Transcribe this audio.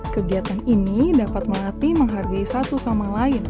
kegiatan ini dapat melatih menghargai satu sama lain